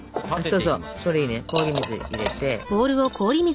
そうそうそれいいね氷水入れて。